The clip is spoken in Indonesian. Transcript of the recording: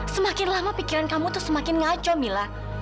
semakin lama pikiran kamu tuh semakin ngacau mila